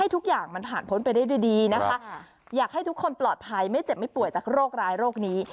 ทุกอย่างมันผ่านพ้นไปได้ดีนะคะอยากให้ทุกคนปลอดภัยไม่เจ็บไม่ป่วยจากโรคร้ายโรคนี้